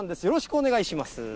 よろしくお願いします。